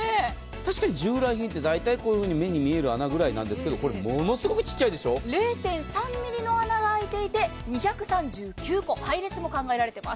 確かに従来品はだいたい目に見える穴ぐらいなんですが０．３ｍｍの穴が開いていて２３９個配列も考えられています。